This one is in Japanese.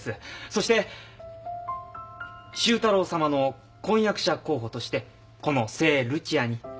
そして周太郎さまの婚約者候補としてこの聖ルチアに。